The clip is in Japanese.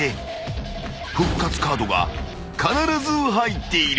［復活カードが必ず入っている］